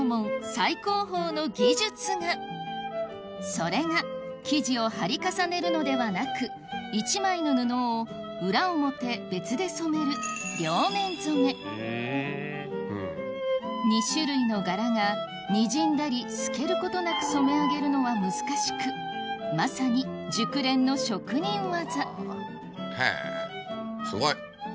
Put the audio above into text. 最高峰の技術がそれが生地を貼り重ねるのではなく１枚の布を裏表別で染める２種類の柄がにじんだり透けることなく染め上げるのは難しくまさに熟練の職人技へぇすごい！